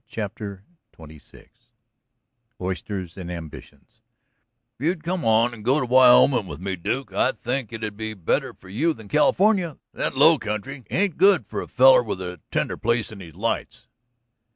_" CHAPTER XXVI OYSTERS AND AMBITIONS "If you'd come on and go to Wyoming with me, Duke, I think it'd be better for you than California. That low country ain't good for a feller with a tender place in his lights."